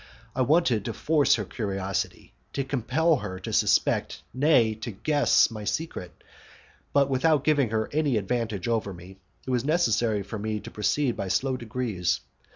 I wanted to force her curiosity, to compel her to suspect nay, to guess my secret, but without giving her any advantage over me: it was necessary for me to proceed by slow degrees.